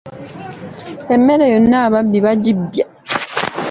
Emmere yonna ababbi bagibbye.